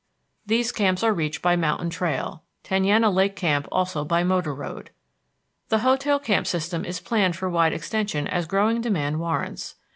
These camps are reached by mountain trail, Tenaya Lake Camp also by motor road. The hotel camp system is planned for wide extension as growing demand warrants.